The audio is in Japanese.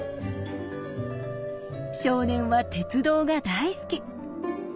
少年は鉄道が大好き。